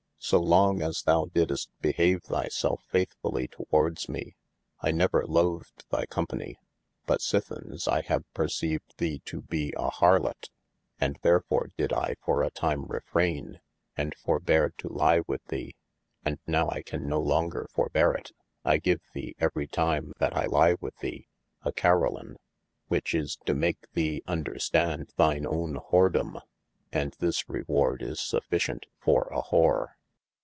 So long as thou dyddest behave thy selfe faith fullye towardes mee, I never lothed thy company : but sithens I have perceived thee to bee a harlotte, and therefore dyd I for a tyme refraine and forbeare to lye with thee, and nowe I can no longer forbeare it, I give thee every time that I lye with thee, a Caroline, which is to make thee understande thine owne whordome : and this rewarde is sufficient for a whore.